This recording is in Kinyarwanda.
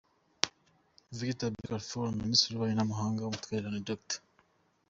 Victor Bockarie Foh; Minisitiri w’Ububanyi n’Amahanga n’Ubutwererane, Dr.